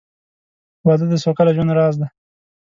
• واده د سوکاله ژوند راز دی.